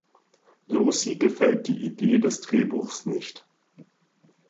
Lucy gefällt die Idee des Drehbuchs nicht.